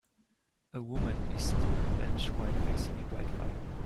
A woman is sitting on a bench while facing a bright fire.